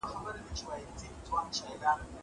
زه اوږده وخت واښه راوړم وم!!